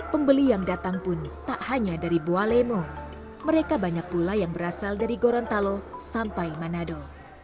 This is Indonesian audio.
pembeli yang datang pun tak hanya dari buah lemo mereka banyak pula yang berasal dari gorontalo sampai manado